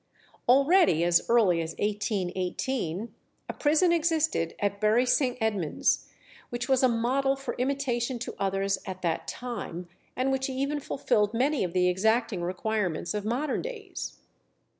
Already, as early as 1818, a prison existed at Bury St. Edmunds which was a model for imitation to others at that time, and which even fulfilled many of the exacting requirements of modern days.